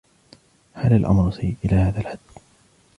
هل الأمر سيّء إلى هذا الحد؟